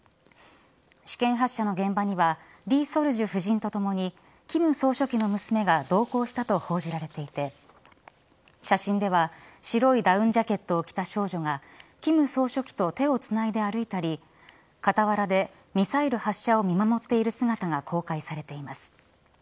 試験発射の現場にはリ・ソルジュ夫人とともに金総書記の娘が同行したと報じられていて写真では白いダウンジャケットを着た少女が金総書記と手をつないで歩いたり傍らでミサイル発射を見守っている姿が公開されています。